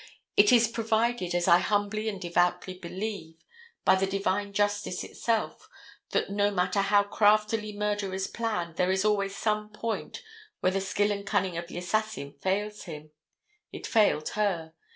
It is provided, as I humbly and devoutly believe, by the divine justice itself, that no matter how craftily murder is planned, there is always some point where the skill and cunning of the assassin fails him. It failed her.